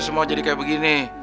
semua jadi kayak begini